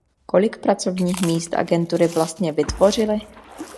Kolik pracovních míst agentury vlastně vytvořily?